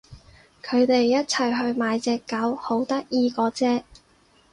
佢哋一齊去買隻狗，好得意嗰隻